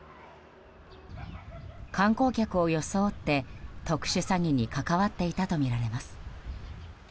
観光客を装って特殊詐欺に関わっていたとみられます。